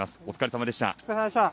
お疲れさまでした。